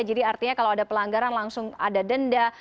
jadi artinya kalau ada pelanggaran langsung ada denda